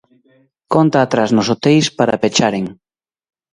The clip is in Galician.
Conta atrás nos hoteis para pecharen.